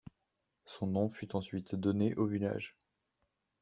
Son nom fut ensuite donné au village.